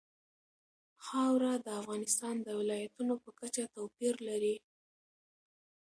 خاوره د افغانستان د ولایاتو په کچه توپیر لري.